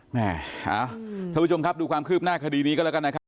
ท่านผู้ชมครับดูความคืบหน้าคดีนี้ก็แล้วกันนะครับ